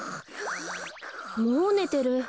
もうねてる。